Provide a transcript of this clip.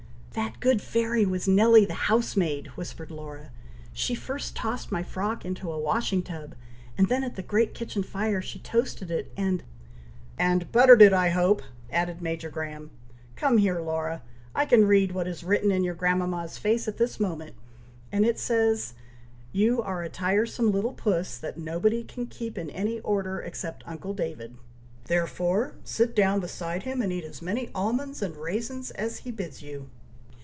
"That good fairy was Nelly the housemaid," whispered Laura. "She first tossed my frock into a washing tub; and then at the great kitchen fire she toasted it, and "" And buttered it, I hope," added Major Graham. "Come here, Laura! I can read what is written in your grandmama's face at this moment; and it says, 'you are a tiresome little puss, that nobody can keep in any order except uncle David;' therefore sit down beside him, and eat as many almonds and raisins as he bids you."